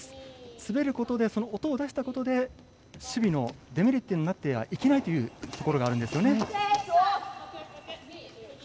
滑ることでその音を出したことで守備のデメリットになってはいけないというところがあるんですよね。